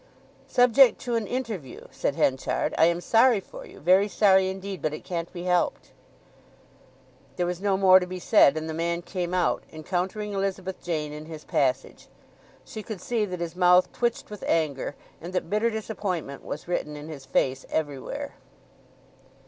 "Subject to an interview," said Henchard. "I am sorry for you—very sorry indeed. But it can't be helped." There was no more to be said, and the man came out, encountering Elizabeth Jane in his passage. She could see that his mouth twitched with anger, and that bitter disappointment was written in his face everywhere.